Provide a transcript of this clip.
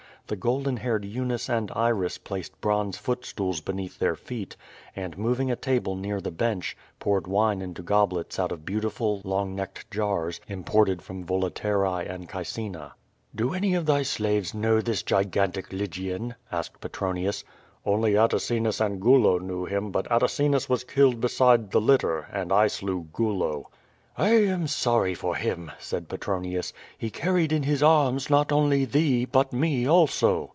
The golden haired Eunice and Iris placed bronze foot stools beneath their feet, and moving a table near the bench, poured wine into goblets out of beautiful, long necked jars, imported from Volaterrae and Caecina. "Do any of thy slaves know this gigantic Lygian?" asked Petronius. "Only Atacinus and 6ulo knew him; but Atacinus was killed beside the litter, and I slew Gulo." "I am sorry for him," said Petronius. "He carried in his arms not only thee, but me also."